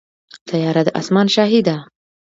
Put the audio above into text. طیاره د اسمان شاهي ده.